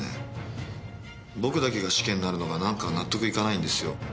僕だけが死刑になるのが何か納得いかないんですよ。